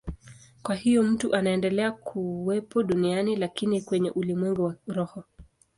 Kwa hiyo mtu anaendelea kuwepo duniani, lakini kwenye ulimwengu wa roho.